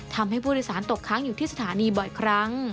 ทำให้ผู้โดยสารตกค้างอยู่ที่สถานีบ่อยครั้ง